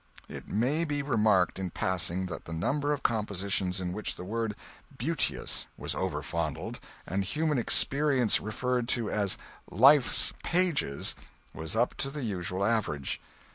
It may be remarked, in passing, that the number of compositions in which the word "beauteous" was over fondled, and human experience referred to as "life's page," was up to the usual average.